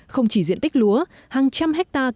không chỉ diện tích lúa hàng trăm hectare cây trồng